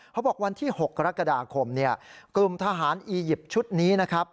วันที่๖กรกฎาคมกลุ่มทหารอียิปต์ชุดนี้นะครับ